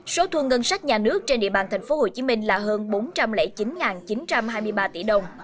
số thu ngân sách nhà nước trên địa bàn tp hcm là hơn bốn trăm linh chín chín trăm hai mươi ba tỷ đồng